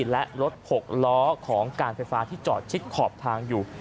และรถหกล้อของการไฟฟ้าที่จอดชิดขอบทางอยู่